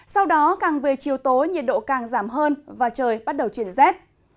sau đó càng về chiều tối nhiệt độ càng giảm hơn và trời bắt đầu chuyển rét